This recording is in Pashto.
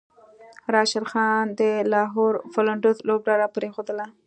راشد خان د لاهور قلندرز لوبډله پریښودله